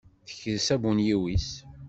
Tekres abunyiw-is.